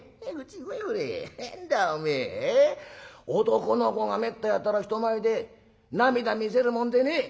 男の子がめったやたら人前で涙見せるもんでねえ。